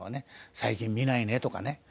最近見ないねとかね